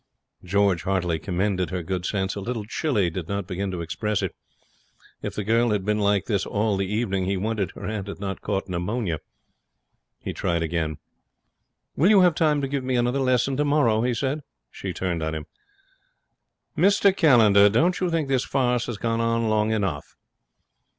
George heartily commended her good sense. A little chilly did not begin to express it. If the girl had been like this all the evening, he wondered her aunt had not caught pneumonia. He tried again. 'Will you have time to give me another lesson tomorrow?' he said. She turned on him. 'Mr Callender, don't you think this farce has gone on long enough?'